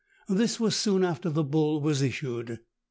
This was soon after the bull was issued.